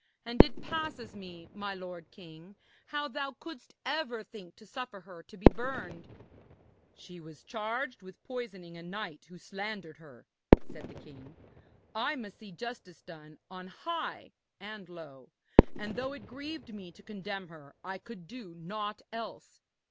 And it passes me, my lord king, how thou couldst ever think to suffer her to be burned.' 'She was charged with poisoning a knight who slandered her,' said the king. 'I must see justice done on high and low, and though it grieved me to condemn her, I could do naught else.